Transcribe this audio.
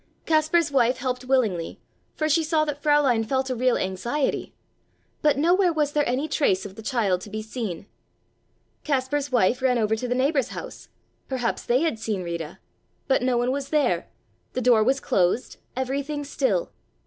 Kaspar's wife helped willingly for she saw that Fräulein felt a real anxiety; but nowhere was there any trace of the child to be seen. Kaspar's wife ran over to the neighbor's house, perhaps they had seen Rita, but no one was there, the door was closed, everything still.